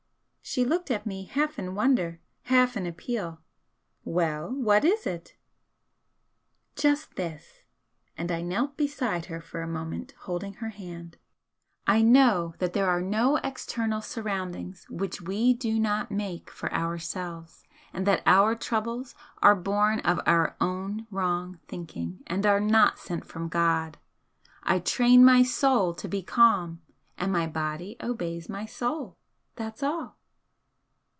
She looked at me half in wonder, half in appeal. "Well, what is it?" "Just this" and I knelt beside her for a moment holding her hand "I KNOW that there are no external surroundings which we do not make for ourselves, and that our troubles are born of our own wrong thinking, and are not sent from God. I train my Soul to be calm, and my body obeys my Soul. That's all!"